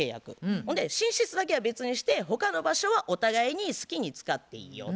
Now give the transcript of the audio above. ほんで寝室だけは別にして他の場所はお互いに好きに使っていいよっていうことになって。